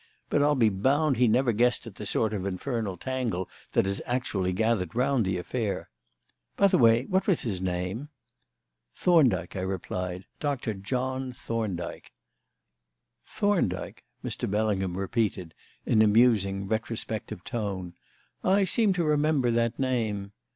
But I'll be bound he never guessed at the sort of infernal tangle that has actually gathered round the affair. By the way, what was his name?" "Thorndyke," I replied. "Doctor John Thorndyke." "Thorndyke," Mr. Bellingham repeated in a musing, retrospective tone. "I seem to remember that name.